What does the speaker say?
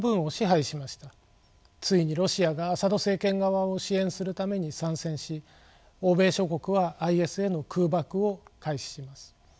ついにロシアがアサド政権側を支援するために参戦し欧米諸国はＩＳへの空爆を開始します。